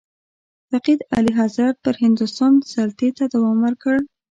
فقید اعلیحضرت پر هندوستان سلطې ته دوام ورکړ.